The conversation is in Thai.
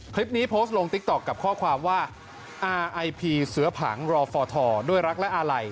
คลิปนี้โพสต์ลงติ๊กต๊อกกับข้อความว่าอาไอพีเสือผังรอฟอทด้วยรักและอาลัย